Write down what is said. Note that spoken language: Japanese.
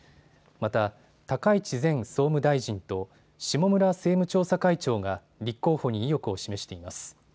また、高市前総務大臣と下村政務調査会長が立候補に意欲を示しています。